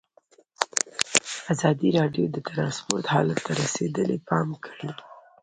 ازادي راډیو د ترانسپورټ حالت ته رسېدلي پام کړی.